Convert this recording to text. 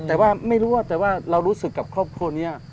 แต่ว่าไม่รู้ว่าแต่ว่าเรารู้สึกกับครอบครัวนี้